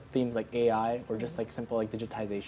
dengan tema seperti ai atau hanya seperti digitalisasi